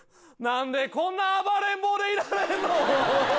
何でこんな暴れん坊でいられんの？